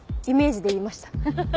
イメージで言いました。